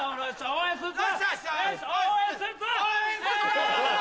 応援すっぞ！